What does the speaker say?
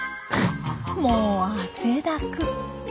もう汗だく。